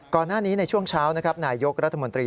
ก่อนหน้านี้ในช่วงเช้านายยกรัฐมนตรี